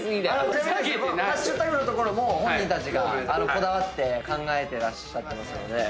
ちなみにハッシュタグの所も本人たちがこだわって考えてらっしゃるので。